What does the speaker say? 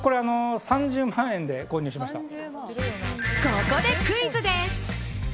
ここでクイズです。